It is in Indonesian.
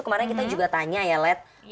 kemarin kita juga tanya ya led